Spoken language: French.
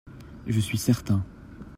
Je suis certain.